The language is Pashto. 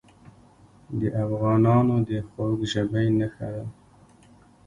د افغانانو د خوږ ژبۍ نښه ده.